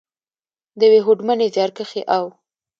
، د یوې هوډمنې، زیارکښې او .